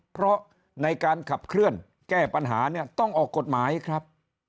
เพราะในการขับเคลื่อนแก้ปัญหาเนี่ยต้องออกกฎหมายครับ